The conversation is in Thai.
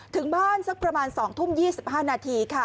ถึงบ้านสักประมาณ๒ทุ่ม๒๕นาทีค่ะ